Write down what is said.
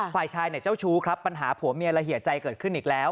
ฝ่ายชายเนี่ยเจ้าชู้ครับปัญหาผัวเมียละเหตุใจเกิดขึ้นอีกแล้ว